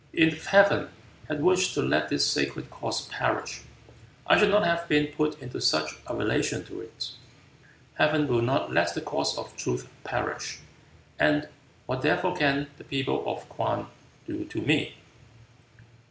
If Heaven had wished to let this sacred cause perish, I should not have been put into such a relation to it. Heaven will not let the cause of truth perish, and what therefore can the people of Kwang do to me?"